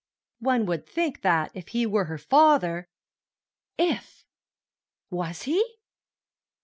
One would think that, if he were her father— If! Was he?